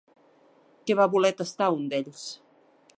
Què va voler tastar un d'ells?